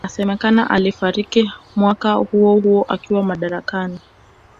Inasemekana alifariki mwaka huohuo akiwa madarakani